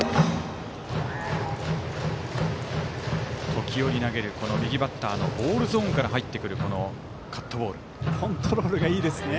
時折投げる右バッターのボールゾーンから入ってくるコントロールがいいですね。